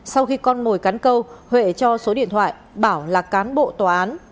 sau khi con mồi cắn câu huệ cho số điện thoại bảo là cán bộ tòa án